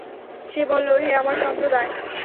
সে বলল, হে আমার সম্প্রদায়!